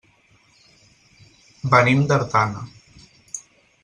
Venim d'Artana.